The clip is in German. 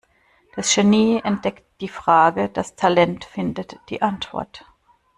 Das Genie entdeckt die Frage, das Talent findet die Antwort.